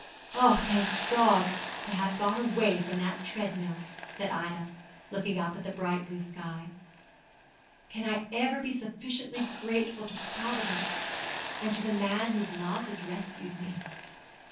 'Oh, thank God, to have got away from that treadmill,' said Ida, looking up at the bright blue sky; 'can I ever be sufficiently grateful to Providence, and to the man whose love has rescued me?'